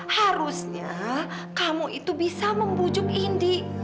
harusnya kamu itu bisa membujuk indi